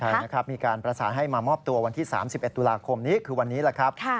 ใช่นะครับมีการประสานให้มามอบตัววันที่๓๑ตุลาคมนี้คือวันนี้แหละครับ